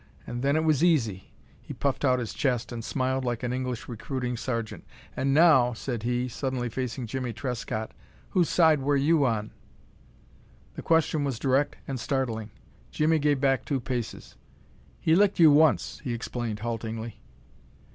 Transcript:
An' then it was easy." He puffed out his chest and smiled like an English recruiting sergeant. "An' now," said he, suddenly facing Jimmie Trescott, "whose side were you on?" The question was direct and startling. Jimmie gave back two paces. "He licked you once," he explained, haltingly.